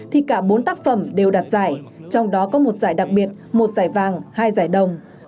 thì cả bốn tác phẩm đều đạt giải trong đó có một giải đặc biệt một giải vàng hai giải đồng